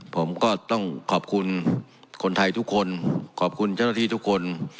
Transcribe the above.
ผมก็ต้องขอบคุณคนไทยทุกคนขอบคุณเจ้าหน้าที่ทุกคน